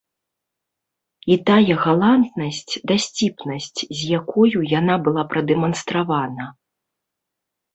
І тая галантнасць, дасціпнасць, з якою яна была прадэманстравана.